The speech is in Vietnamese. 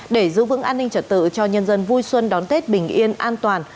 để giữ vững an ninh trật tự cho nhân dân vui xuân đón tết bình yên an toàn